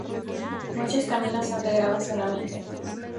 Muchos caminos son de grava solamente.